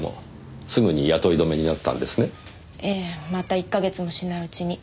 ええまた１か月もしないうちに。